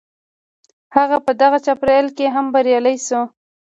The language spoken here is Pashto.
هغه په دغه چاپېريال کې هم بريالی شو.